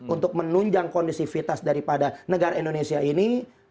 untuk menunjang kondusivitas daripada negara indonesia ini